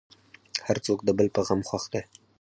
هر څوک د بل په غم خوښ دی.